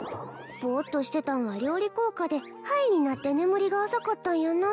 ボーッとしてたんは料理効果でハイになって眠りが浅かったんやな